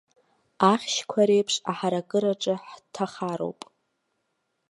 Ахьшьқәа реиԥш аҳаракыраҿы ҳҭахароуп.